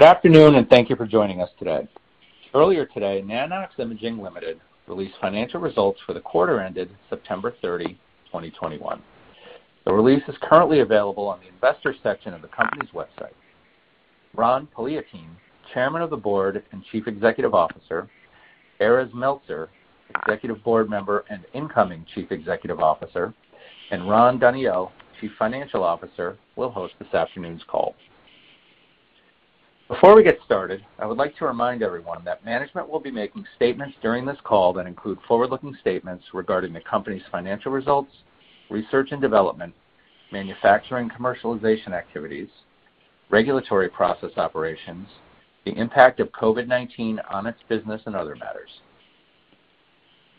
Good afternoon and thank you for joining us today. Earlier today, Nano-X Imaging Ltd released financial results for the quarter ended September 30, 2021. The release is currently available on the investor section of the company's website. Ran Poliakine, Chairman of the Board and Chief Executive Officer, Erez Meltzer, Executive Board Member and Incoming Chief Executive Officer, and Ran Daniel, Chief Financial Officer, will host this afternoon's call. Before we get started, I would like to remind everyone that management will be making statements during this call that include forward-looking statements regarding the company's financial results, research and development, manufacturing, commercialization activities, regulatory process operations, the impact of COVID-19 on its business and other matters.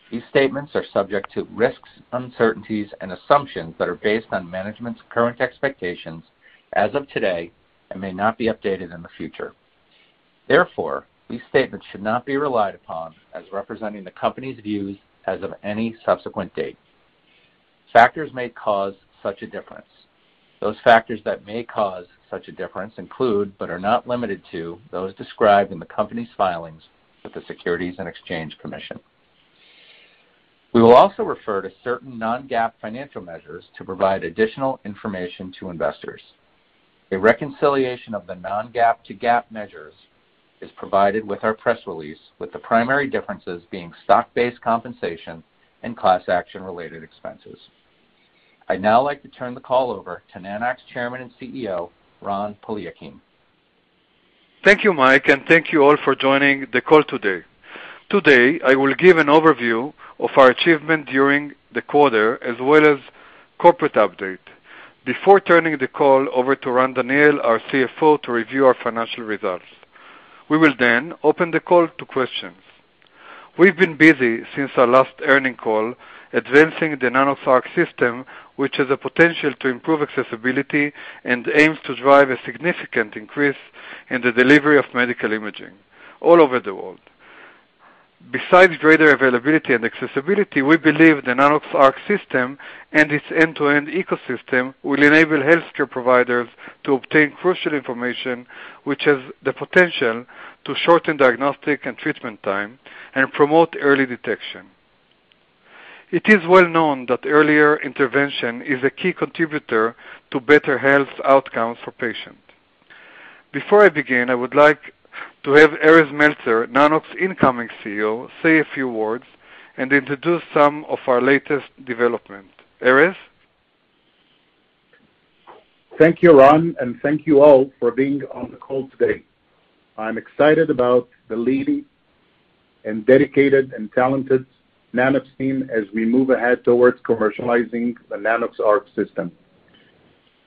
These statements are subject to risks, uncertainties, and assumptions that are based on management's current expectations as of today and may not be updated in the future. Therefore, these statements should not be relied upon as representing the company's views as of any subsequent date. Factors may cause such a difference. Those factors that may cause such a difference include, but are not limited to, those described in the company's filings with the Securities and Exchange Commission. We will also refer to certain non-GAAP financial measures to provide additional information to investors. A reconciliation of the non-GAAP to GAAP measures is provided with our press release, with the primary differences being stock-based compensation and class action-related expenses. I'd now like to turn the call over to Nano-X Chairman and CEO, Ran Poliakine. Thank you, Mike, and thank you all for joining the call today. Today, I will give an overview of our achievement during the quarter as well as corporate update before turning the call over to Ran Daniel, our CFO, to review our financial results. We will then open the call to questions. We've been busy since our last earnings call advancing the Nanox.Arc system, which has the potential to improve accessibility and aims to drive a significant increase in the delivery of medical imaging all over the world. Besides greater availability and accessibility, we believe the Nanox.Arc system and its end-to-end ecosystem will enable healthcare providers to obtain crucial information, which has the potential to shorten diagnostic and treatment time and promote early detection. It is well known that earlier intervention is a key contributor to better health outcomes for patients. Before I begin, I would like to have Erez Meltzer, Nano-X incoming CEO, say a few words and introduce some of our latest development. Erez? Thank you, Ran, and thank you all for being on the call today. I'm excited about the leading and dedicated and talented Nanox team as we move ahead towards commercializing the Nanox.ARC system.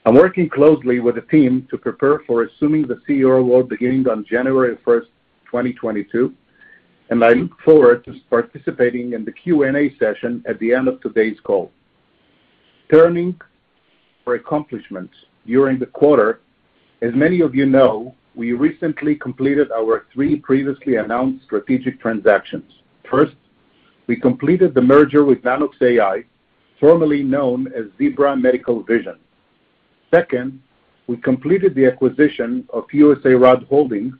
I'm working closely with the team to prepare for assuming the CEO role beginning on January 1st, 2022, and I look forward to participating in the Q&A session at the end of today's call. Turning to our accomplishments during the quarter, as many of you know, we recently completed our three previously announced strategic transactions. First, we completed the merger with Nanox.AI, formerly known as Zebra Medical Vision. Second, we completed the acquisition of USARAD Holdings,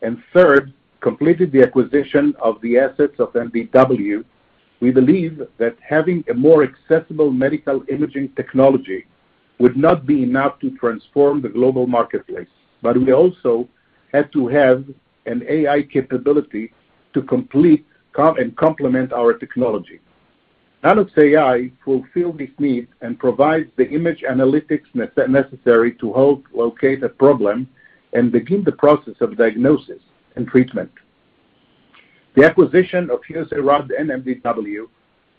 and third, we completed the acquisition of the assets of MDW. We believe that having a more accessible medical imaging technology would not be enough to transform the global marketplace, but we also had to have an AI capability to complete and complement our technology. Nanox.AI fulfill this need and provides the image analytics necessary to help locate a problem and begin the process of diagnosis and treatment. The acquisition of USARAD and MDW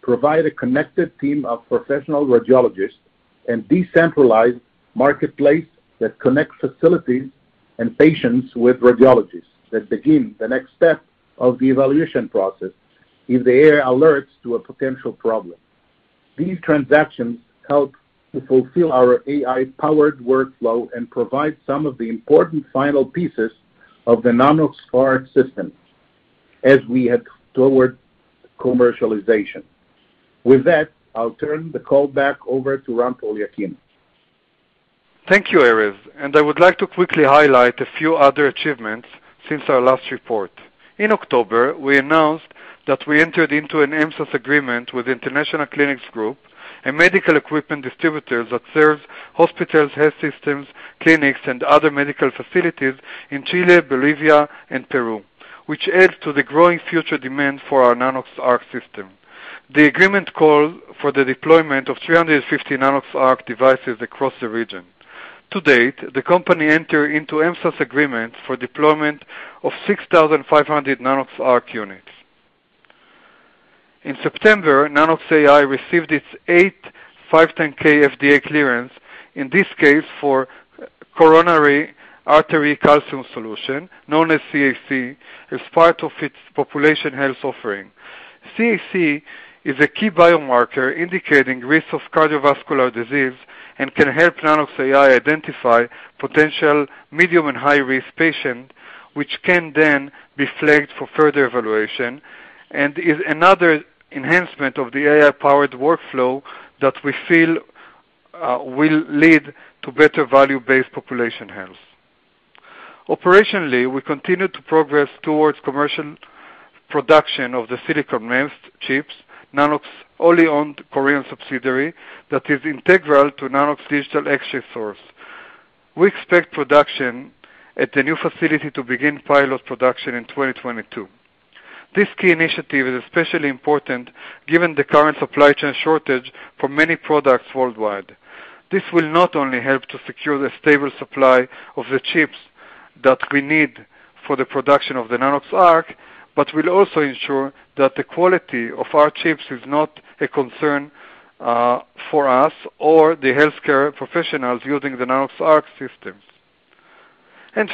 provide a connected team of professional radiologists and decentralized marketplace that connects facilities and patients with radiologists that begin the next step of the evaluation process if the AI alerts to a potential problem. These transactions help to fulfill our AI-powered workflow and provide some of the important final pieces of the Nanox.ARC system as we head toward commercialization. With that, I'll turn the call back over to Ran Poliakine. Thank you, Erez, and I would like to quickly highlight a few other achievements since our last report. In October, we announced that we entered into an MSaaS agreement with International Clinics Group, a medical equipment distributor that serves hospitals, health systems, clinics, and other medical facilities in Chile, Bolivia, and Peru, which adds to the growing future demand for our Nanox.ARC system. The agreement calls for the deployment of 350 Nanox.ARC devices across the region. To date, the company entered into MSaaS agreements for deployment of 6,500 Nanox.ARC units. In September, Nanox.AI received its eighth 510(k) FDA clearance, in this case for coronary artery calcium solution, known as CAC, as part of its population health offering. CAC is a key biomarker indicating risk of cardiovascular disease and can help Nanox.AI identify potential medium and high risk patients, which can then be flagged for further evaluation and is another enhancement of the AI-powered workflow that we feel will lead to better value-based population health. Operationally, we continue to progress towards commercial production of the silicon MEMS chips, Nano-X wholly owned Korean subsidiary that is integral to Nano-X digital X-ray source. We expect production at the new facility to begin pilot production in 2022. This key initiative is especially important given the current supply chain shortage for many products worldwide. This will not only help to secure the stable supply of the chips that we need for the production of the Nanox.ARC, but will also ensure that the quality of our chips is not a concern for us or the healthcare professionals using the Nanox.ARC systems.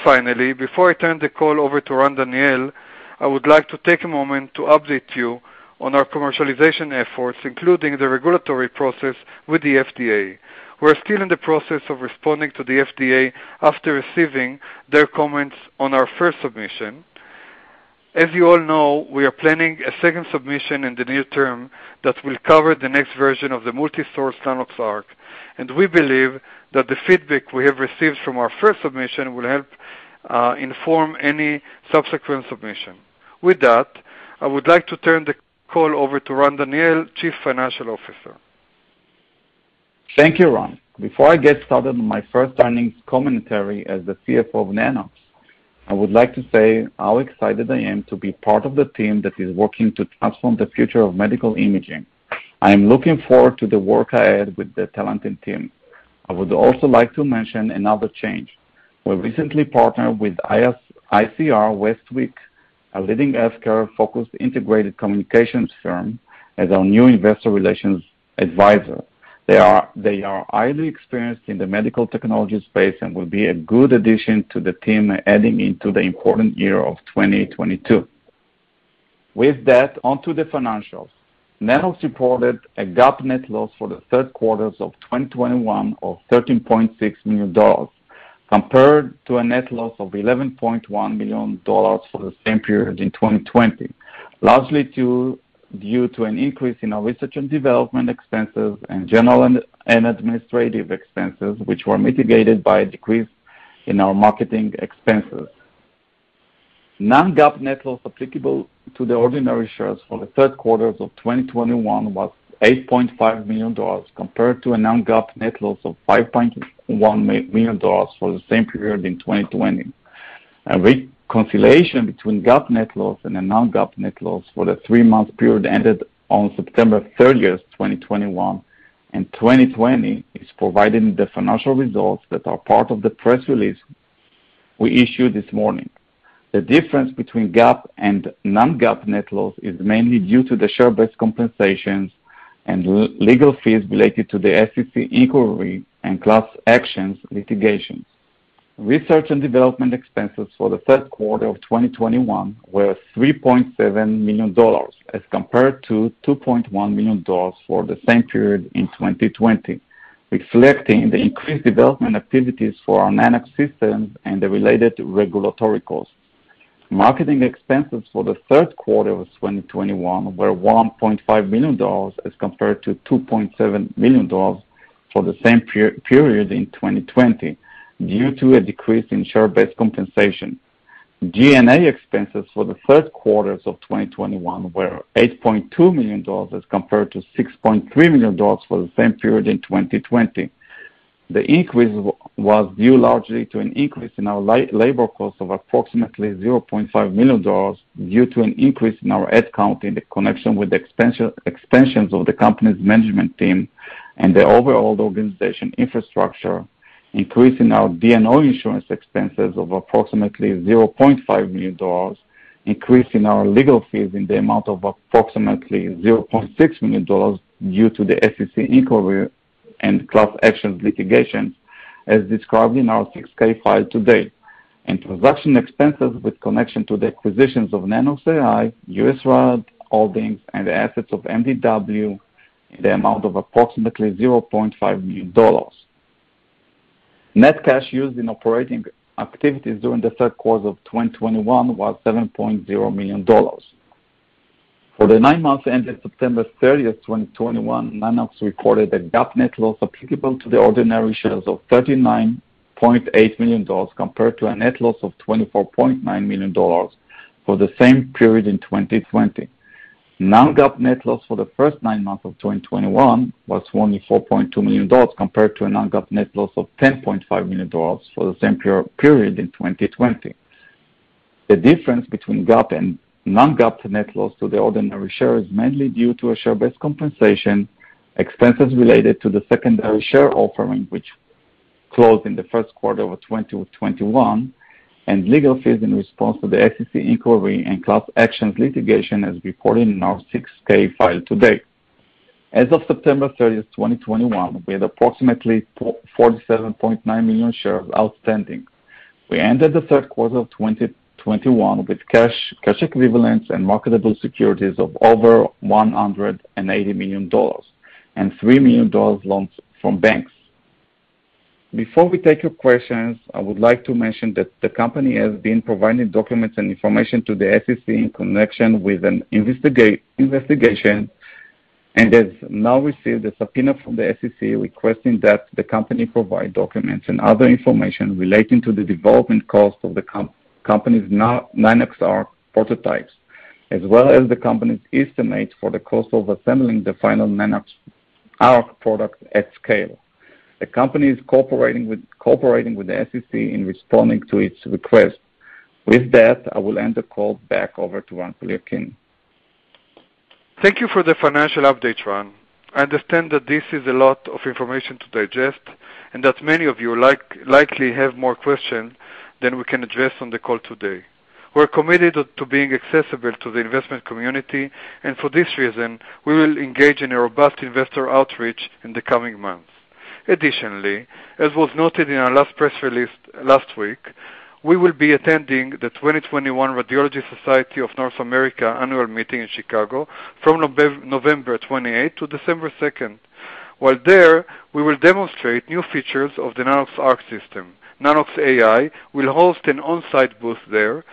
Finally, before I turn the call over to Ran Daniel, I would like to take a moment to update you on our commercialization efforts, including the regulatory process with the FDA. We're still in the process of responding to the FDA after receiving their comments on our first submission. As you all know, we are planning a second submission in the near term that will cover the next version of the multi-source Nanox.ARC, and we believe that the feedback we have received from our first submission will help inform any subsequent submission. With that, I would like to turn the call over to Ran Daniel, Chief Financial Officer. Thank you, Ran. Before I get started on my first earnings commentary as the CFO of Nanox, I would like to say how excited I am to be part of the team that is working to transform the future of medical imaging. I am looking forward to the work I had with the talented team. I would also like to mention another change. We recently partnered with ICR Westwicke, a leading healthcare-focused integrated communications firm, as our new investor relations advisor. They are highly experienced in the medical technology space and will be a good addition to the team heading into the important year of 2022. With that, on to the financials. Nano reported a GAAP net loss for the third quarter of 2021 of $13.6 million, compared to a net loss of $11.1 million for the same period in 2020, largely due to an increase in our research and development expenses and general and administrative expenses, which were mitigated by a decrease in our marketing expenses. Non-GAAP net loss applicable to the ordinary shares for the third quarter of 2021 was $8.5 million, compared to a non-GAAP net loss of $5.1 million for the same period in 2020. A reconciliation between GAAP net loss and the non-GAAP net loss for the three-month period ended on September 30th, 2021 and 2020 is provided in the financial results that are part of the press release we issued this morning. The difference between GAAP and non-GAAP net loss is mainly due to the share-based compensations and legal fees related to the SEC inquiry and class actions litigations. Research and development expenses for the third quarter of 2021 were $3.7 million, as compared to $2.1 million for the same period in 2020, reflecting the increased development activities for our Nanox systems and the related regulatory costs. Marketing expenses for the third quarter of 2021 were $1.5 million as compared to $2.7 million for the same period in 2020 due to a decrease in share-based compensation. G&A expenses for the third quarter of 2021 were $8.2 million as compared to $6.3 million for the same period in 2020. The increase was due largely to an increase in our labor cost of approximately $0.5 million due to an increase in our head count in connection with the expansions of the company's management team and the overall organization infrastructure, increase in our D&O insurance expenses of approximately $0.5 million, increase in our legal fees in the amount of approximately $0.6 million due to the SEC inquiry and class actions litigation as described in our 6-K file to date, and transaction expenses in connection with the acquisitions of Nanox.AI, USARAD Holdings, and assets of MDW in the amount of approximately $0.5 million. Net cash used in operating activities during the third quarter of 2021 was $7.0 million. For the nine months ended September 30th, 2021, Nano-X recorded a GAAP net loss applicable to the ordinary shares of $39.8 million compared to a net loss of $24.9 million for the same period in 2020. Non-GAAP net loss for the first nine months of 2021 was only $4.2 million compared to a non-GAAP net loss of $10.5 million for the same period in 2020. The difference between GAAP and non-GAAP net loss to the ordinary share is mainly due to share-based compensation, expenses related to the secondary share offering which closed in the first quarter of 2021, and legal fees in response to the SEC inquiry and class action litigation as reported in our 6-K filing to date. As of September 30th, 2021, we had approximately 47.9 million shares outstanding. We ended the third quarter of 2021 with cash equivalents, and marketable securities of over $180 million and $3 million loans from banks. Before we take your questions, I would like to mention that the company has been providing documents and information to the SEC in connection with an investigation, and has now received a subpoena from the SEC requesting that the company provide documents and other information relating to the development costs of the company's Nanox.ARC prototypes, as well as the company's estimate for the cost of assembling the final Nanox.ARC product at scale. The company is cooperating with the SEC in responding to its request. With that, I will hand the call back over to Ran Poliakine. Thank you for the financial update, Ran. I understand that this is a lot of information to digest, and that many of you likely have more questions than we can address on the call today. We're committed to being accessible to the investment community, and for this reason, we will engage in a robust investor outreach in the coming months. Additionally, as was noted in our last press release last week, we will be attending the 2021 Radiological Society of North America annual meeting in Chicago from November 28th to December 2nd. While there, we will demonstrate new features of the Nanox ARC system. Nanox AI will host an on-site booth there,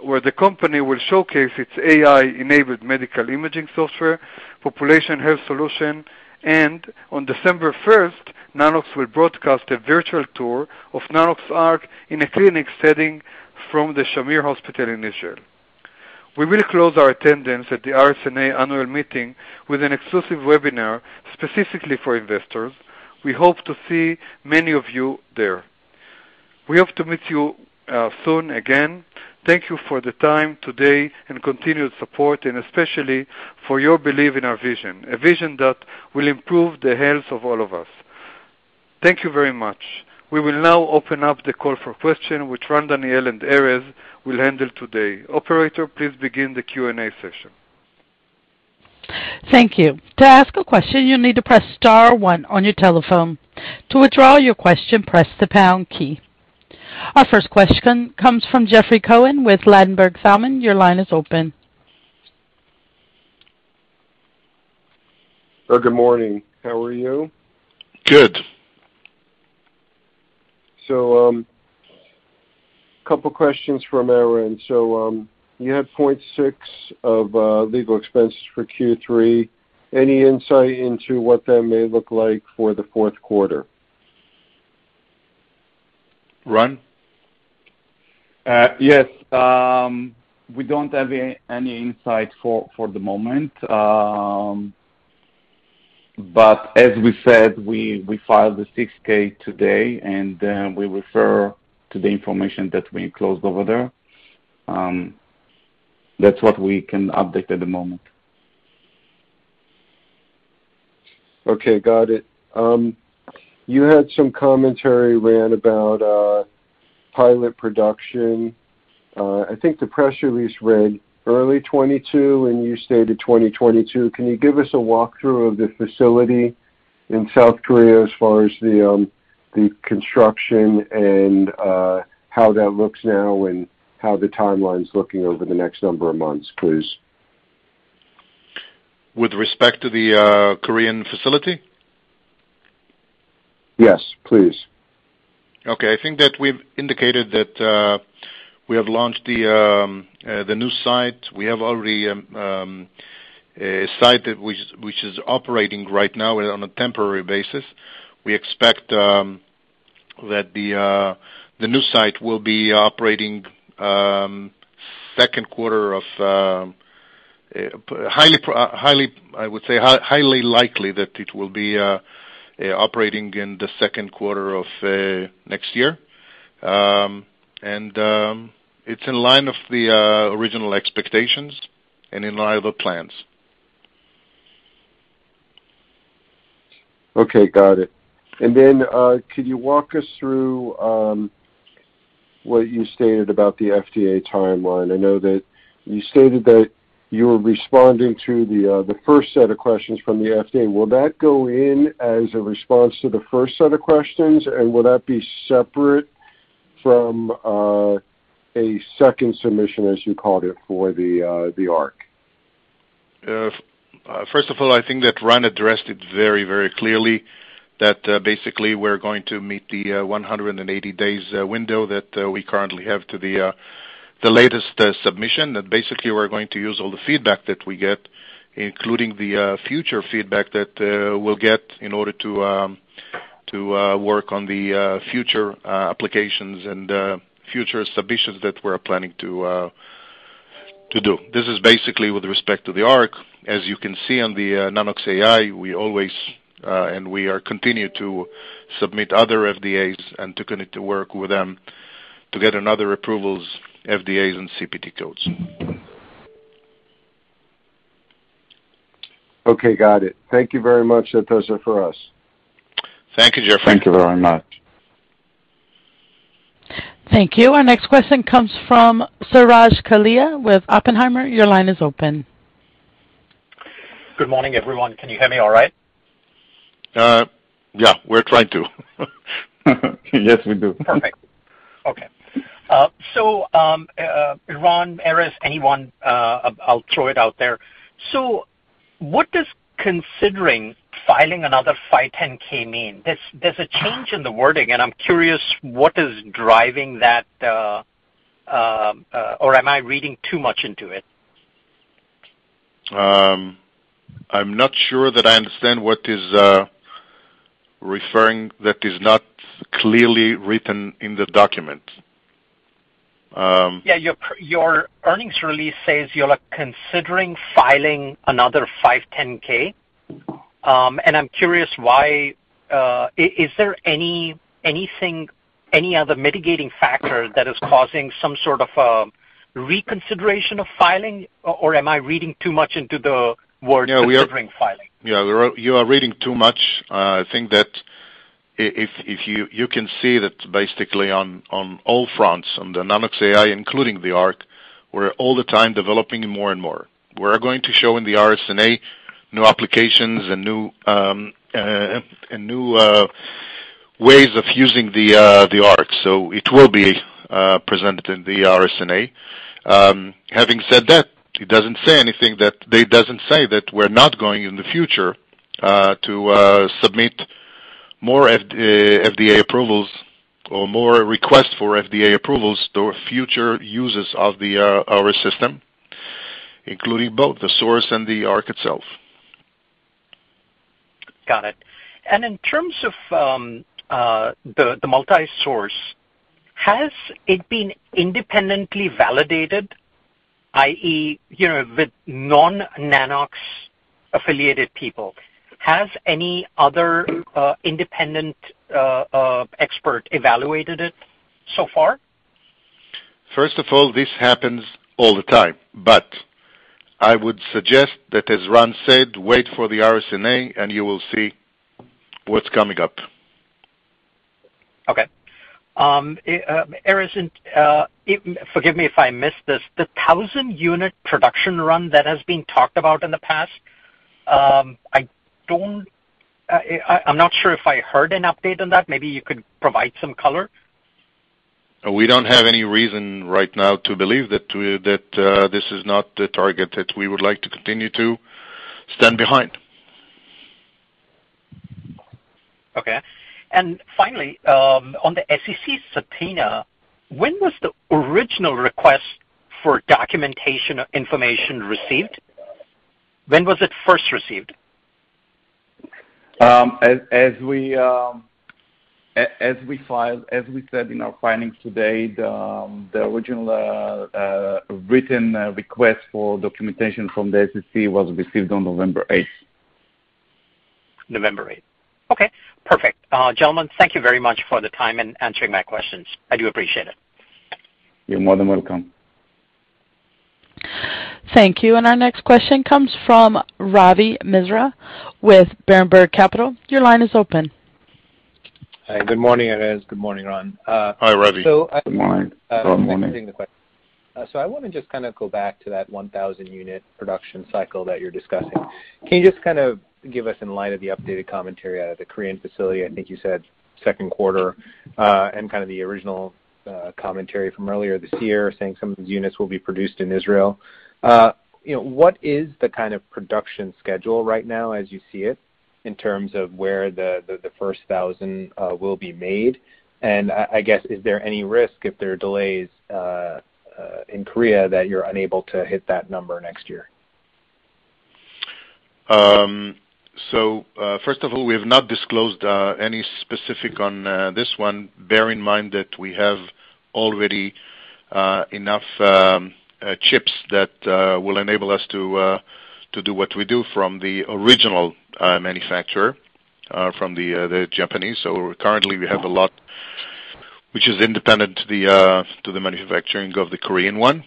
where the company will showcase its AI-enabled medical imaging software, population health solution, and on December 1st, Nanox will broadcast a virtual tour of Nanox ARC in a clinic setting from the Shamir Hospital in Israel. We will close our attendance at the RSNA annual meeting with an exclusive webinar specifically for investors. We hope to see many of you there. We hope to meet you soon again. Thank you for the time today and continued support, and especially for your belief in our vision, a vision that will improve the health of all of us. Thank you very much. We will now open up the call for questions, which Ran Daniel and Erez will handle today. Operator, please begin the Q&A session. Thank you. To ask a question, you need to press star one on your telephone. To withdraw your question, press the pound key. Our first question comes from Jeffrey Cohen with Ladenburg Thalmann. Your line is open. Sir, good morning. How are you? Good. Couple questions for Ran. You had $0.6 million of legal expenses for Q3. Any insight into what that may look like for the fourth quarter? Ran? Yes. We don't have any insight for the moment. As we said, we filed the 6-K today, and we refer to the information that we enclosed over there. That's what we can update at the moment. Okay, got it. You had some commentary, Ran, about pilot production. I think the press release read early 2022, and you stated 2022. Can you give us a walkthrough of the facility in South Korea as far as the construction and how that looks now and how the timeline's looking over the next number of months, please? With respect to the Korean facility? Yes, please. Okay. I think that we've indicated that we have launched the new site. We have already a site which is operating right now on a temporary basis. We expect that the new site will be operating in the second quarter of next year. I would say it's highly likely that it will be operating in the second quarter of next year. It's in line with the original expectations and in line with the plans. Okay, got it. Could you walk us through what you stated about the FDA timeline? I know that you stated that you were responding to the first set of questions from the FDA. Will that go in as a response to the first set of questions, and will that be separate from a second submission, as you called it, for the ARC? First of all, I think that Ran addressed it very clearly, that basically, we're going to meet the 180 days window that we currently have to the latest submission. That basically, we're going to use all the feedback that we get, including the future feedback that we'll get in order to work on the future applications and future submissions that we're planning to do. This is basically with respect to the ARC. As you can see on the Nanox.AI, we always and we continue to submit other FDAs and continue to work with them to get other approvals, FDAs and CPT codes. Okay, got it. Thank you very much. That's it for us. Thank you, Jeffrey. Thank you very much. Thank you. Our next question comes from Suraj Kalia with Oppenheimer. Your line is open. Good morning, everyone. Can you hear me all right? Yeah, we're trying to. Yes, we do. Perfect. Okay. Ran, Erez, anyone, I'll throw it out there. What does considering filing another 510(k) mean? There's a change in the wording, and I'm curious what is driving that, or am I reading too much into it? I'm not sure that I understand what is referring that is not clearly written in the document. Yeah. Your earnings release says you're, like, considering filing another 510(k). I'm curious why. Is there anything, any other mitigating factor that is causing some sort of reconsideration of filing, or am I reading too much into the words considering filing? Yeah, you are reading too much. I think that if you can see that basically on all fronts, on the Nanox.AI, including the ARC, we're all the time developing more and more. We are going to show in the RSNA new applications and new ways of using the ARC. It will be presented in the RSNA. Having said that, it doesn't say that we're not going in the future to submit more FDA approvals or more requests for FDA approvals to future users of our system, including both the source and the ARC itself. Got it. In terms of the multi-source, has it been independently validated, i.e., you know, with non-Nano-X-affiliated people? Has any other independent expert evaluated it so far? First of all, this happens all the time, but I would suggest that, as Ran said, wait for the RSNA, and you will see what's coming up. Okay. Erez, forgive me if I missed this. The 1,000-unit production run that has been talked about in the past, I don't, I'm not sure if I heard an update on that. Maybe you could provide some color. We don't have any reason right now to believe that this is not the target that we would like to continue to stand behind. Okay. Finally, on the SEC subpoena, when was the original request for documentation information received? When was it first received? As we filed, as we said in our filings today, the original written request for documentation from the SEC was received on November 8. November eighth. Okay, perfect. Gentlemen, thank you very much for the time and answering my questions. I do appreciate it. You're more than welcome. Thank you. Our next question comes from Ravi Misra with Berenberg Capital. Your line is open. Hi. Good morning, Erez. Good morning, Ran. Hi, Ravi. So I- Good morning. Good morning. I want to just kind of go back to that 1,000-unit production cycle that you're discussing. Can you just kind of give us in light of the updated commentary out of the Korean facility, I think you said second quarter, and kind of the original commentary from earlier this year saying some of these units will be produced in Israel. You know, what is the kind of production schedule right now as you see it in terms of where the first 1,000 will be made? I guess, is there any risk if there are delays in Korea that you're unable to hit that number next year? First of all, we have not disclosed any specific on this one. Bear in mind that we have already enough chips that will enable us to do what we do from the original manufacturer from the Japanese. Currently we have a lot which is independent to the manufacturing of the Korean one.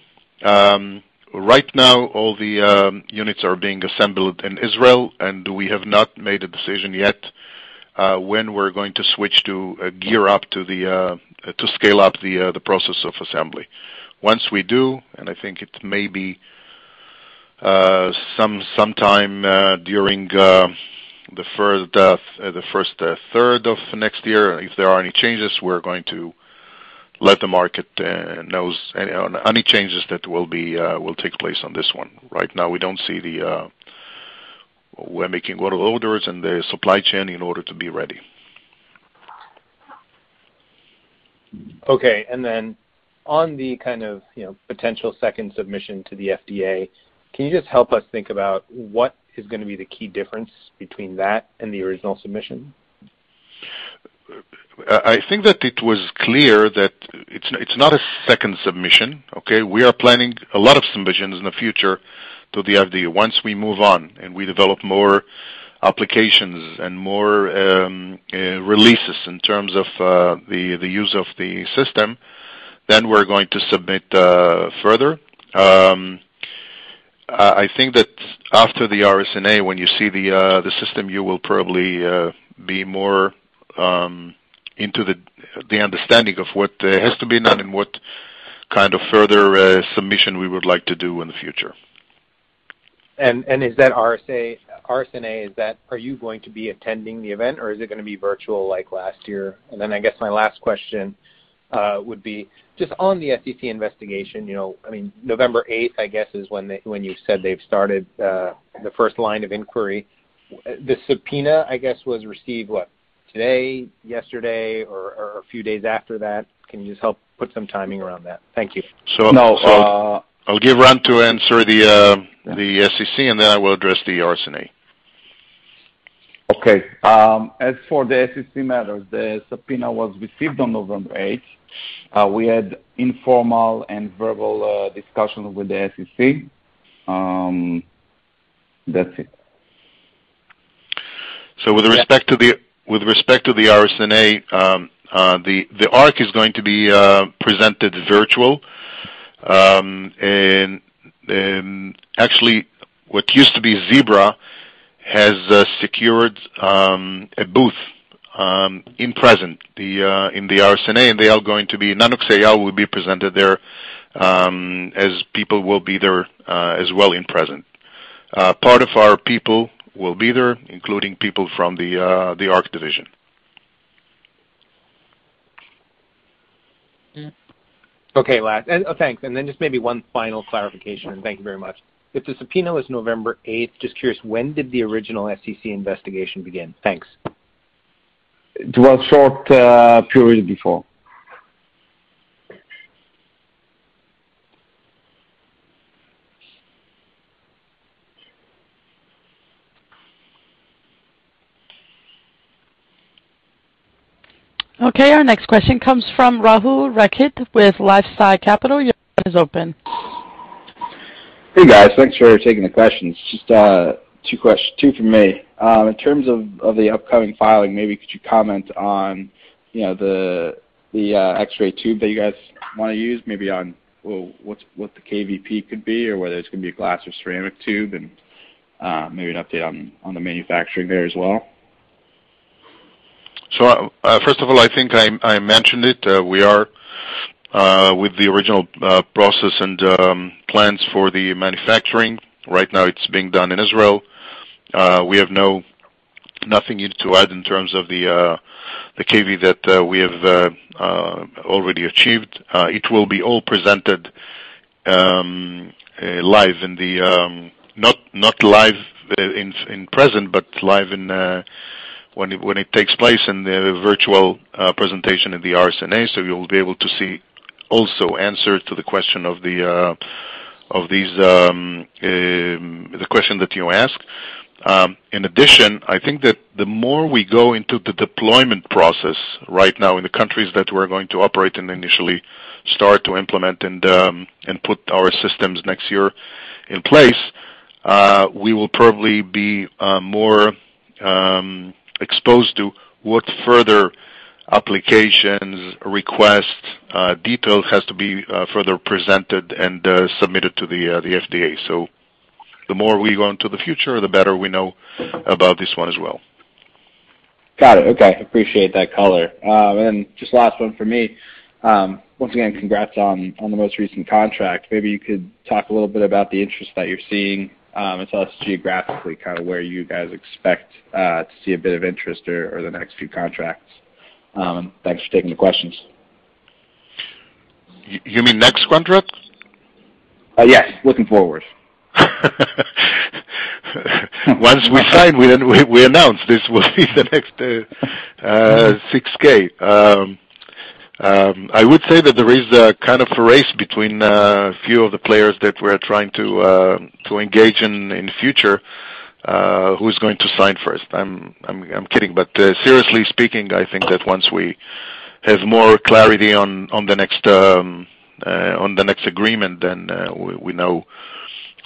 Right now, all the units are being assembled in Israel, and we have not made a decision yet when we're going to switch to gear up to scale up the process of assembly. Once we do, and I think it may be sometime during the first third of next year. If there are any changes, we're going to let the market know any changes that will take place on this one. Right now, we don't see. We're making a lot of orders in the supply chain in order to be ready. Okay. On the kind of, you know, potential second submission to the FDA, can you just help us think about what is gonna be the key difference between that and the original submission? I think that it was clear that it's not a second submission, okay? We are planning a lot of submissions in the future to the FDA. Once we move on and we develop more applications and more releases in terms of the use of the system, then we're going to submit further. I think that after the RSNA, when you see the system, you will probably be more into the understanding of what has to be done and what kind of further submission we would like to do in the future. Is that RSNA, are you going to be attending the event or is it gonna be virtual like last year? I guess my last question would be just on the SEC investigation. You know, I mean, November 8, I guess, is when they—when you said they've started the first line of inquiry. The subpoena, I guess, was received, what? Today, yesterday, or a few days after that? Can you just help put some timing around that? Thank you. So- No. Uh- I'll give Ran to answer the SEC, and then I will address the RSNA. Okay. As for the SEC matter, the subpoena was received on November eighth. We had informal and verbal discussion with the SEC. That's it. With respect to the RSNA, the ARC is going to be presented virtually. Actually, what used to be Zebra has secured a booth in the RSNA, and they are going to be. Nanox.AI will be presented there, as people will be there as well in person. Part of our people will be there, including people from the ARC division. Thanks. Just maybe one final clarification, and thank you very much. If the subpoena was November 8, just curious, when did the original SEC investigation begin? Thanks. It was short period before. Okay. Our next question comes from Rahul Rakhit with LifeSci Capital. Your line is open. Hey, guys. Thanks for taking the questions. Just two from me. In terms of the upcoming filing, maybe could you comment on, you know, the X-ray tube that you guys wanna use, maybe on, well, what the kVp could be or whether it's gonna be a glass or ceramic tube, and maybe an update on the manufacturing there as well. First of all, I think I mentioned it. We are with the original process and plans for the manufacturing. Right now it's being done in Israel. We have no need to add in terms of the kVp that we have already achieved. It will be all presented, not live in-person, but live in the virtual presentation in the RSNA. You'll be able to see also answers to the question of these, the question that you ask. In addition, I think that the more we go into the deployment process right now in the countries that we're going to operate and initially start to implement and put our systems next year in place, we will probably be more exposed to what further applications, requests, details has to be further presented and submitted to the FDA. The more we go into the future, the better we know about this one as well. Got it. Okay. Appreciate that color. Just last one for me. Once again, congrats on the most recent contract. Maybe you could talk a little bit about the interest that you're seeing, as well as geographically, kind of where you guys expect to see a bit of interest or the next few contracts. Thanks for taking the questions. You mean next contract? Yes. Looking forward. Once we sign, we then announce this will be the next 6-K. I would say that there is a kind of a race between few of the players that we're trying to engage in in the future, who's going to sign first. I'm kidding, but seriously speaking, I think that once we have more clarity on the next agreement, then we know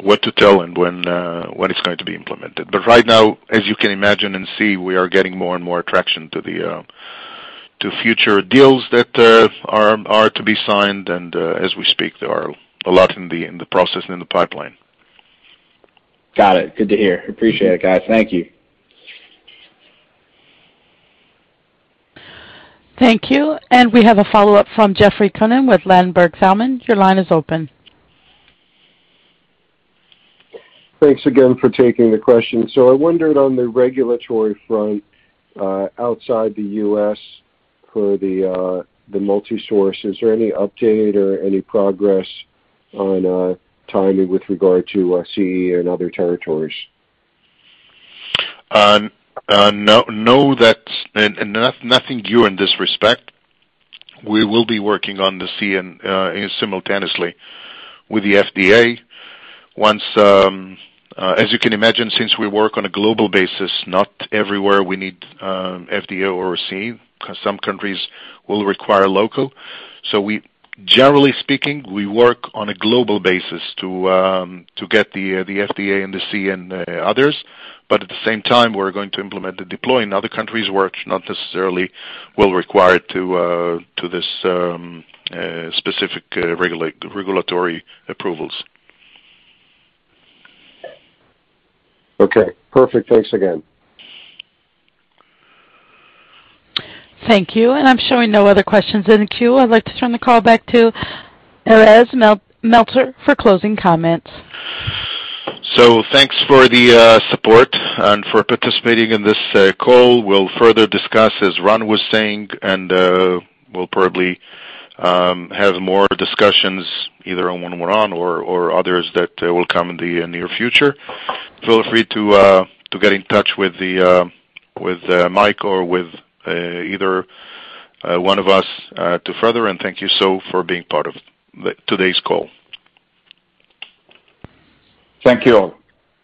what to tell and when it's going to be implemented. Right now, as you can imagine and see, we are getting more and more attention to the future deals that are to be signed. As we speak, there are a lot in the process in the pipeline. Got it. Good to hear. Appreciate it, guys. Thank you. Thank you. We have a follow-up from Jeffrey Cohen with Ladenburg Thalmann. Your line is open. Thanks again for taking the question. I wondered on the regulatory front, outside the U.S. for the multi-source, is there any update or any progress on, timing with regard to, CE and other territories? No, nothing new in this respect. We will be working on the CE and simultaneously with the FDA. Once, as you can imagine, since we work on a global basis, not everywhere we need FDA or CE, 'cause some countries will require local. Generally speaking, we work on a global basis to get the FDA and the CE and others, but at the same time, we're going to implement the deployment in other countries where it's not necessarily will require to this specific regulatory approvals. Okay. Perfect. Thanks again. Thank you. I'm showing no other questions in the queue. I'd like to turn the call back to Erez Meltzer for closing comments. Thanks for the support and for participating in this call. We'll further discuss, as Ran was saying, and we'll probably have more discussions either on one-on-one or others that will come in the near future. Feel free to get in touch with Mike or with either one of us to further, and thank you so for being part of today's call. Thank you all.